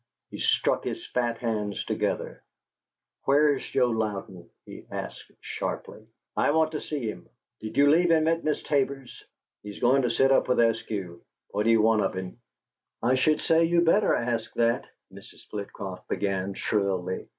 He struck his fat hands together. "Where's Joe Louden?" he asked, sharply. "I want to see him. Did you leave him at Miss Tabor's?" "He's goin' to sit up with Eskew. What do you want of him?" "I should say you better ask that!" Mrs. Flitcroft began, shrilly.